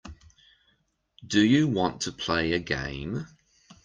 Do you want to play a game.